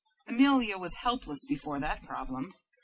Amelia was helpless before that problem.